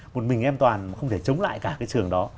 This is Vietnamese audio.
một mình an toàn không thể chống lại cả cái trường đó